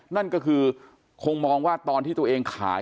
นั่นก็คือคงมองว่าตอนที่ตัวเองขาย